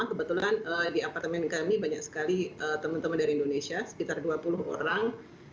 kebetulan di apartemen kami banyak sekali teman teman dari indonesia sekitar dua puluh orang